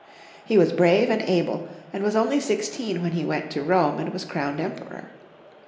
He was brave and able, and was only sixteen when he went to Rome and was crowned Emperor.